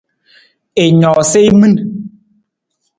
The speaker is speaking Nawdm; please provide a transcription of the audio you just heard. I noosa i min.